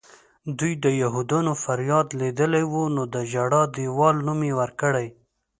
دوی د یهودیانو فریاد لیدلی و نو د ژړا دیوال نوم یې ورکړی.